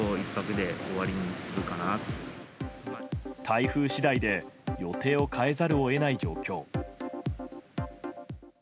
台風次第で予定を変えざるを得ない状況。